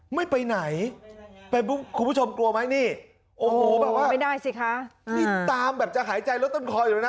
ไม่ไปไหนคุณผู้ชมกลัวไหมนี่โอ้โหแบบว่าไม่ได้สิคะนี่ตามแบบจะหายใจลดต้นคออยู่แล้วนะ